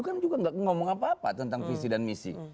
kan juga nggak ngomong apa apa tentang visi dan misi